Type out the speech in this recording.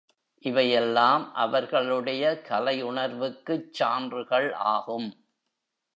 இவை எல்லாம் அவர்களுடைய கலை உணர்வுக்குச் சான்றுகள் ஆகும்.